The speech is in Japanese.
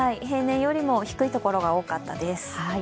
平年よりも低いところが多かったです。